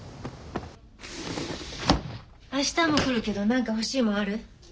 明日も来るけど何か欲しいもんある？